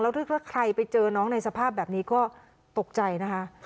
ถ้าใครไปเจอน้องในสภาพแบบนี้ก็ตกใจนะคะ